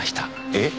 えっ？